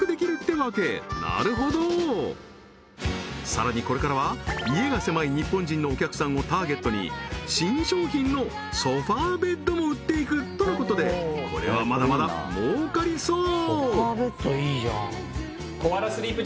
さらにこれからは家が狭い日本人のお客さんをターゲットに新商品のソファーベッドも売っていくとのことでこれはまだまだ儲かりそう！